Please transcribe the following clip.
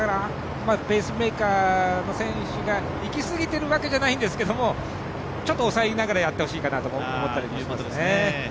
ペースメーカーの選手が行き過ぎているわけじゃないんですけどちょっと抑えながらやってほしいなと思いますね。